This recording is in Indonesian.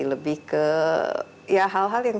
lebih ke ya hal hal yang